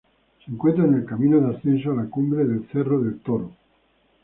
Se encuentra en el camino de ascenso a la cumbre del Cerro del Toro.